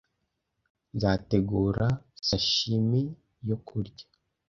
Nzategura sashimi yo kurya.